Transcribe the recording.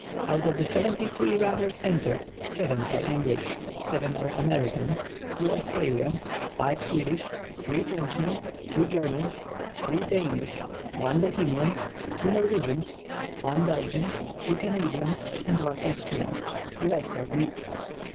Out of the seventy three nmners entered, seven are English, seven are Americans, two Australians, five Swedish, three Frenchmen, two Germans, three Danish, one Bohemian, two Norwegians, one Belgian, two Canadians, and one Austrian. The rest are Greeks.